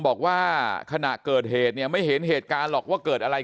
บอกว่าขณะเกิดเหตุเนี่ยไม่เห็นเหตุการณ์หรอกว่าเกิดอะไร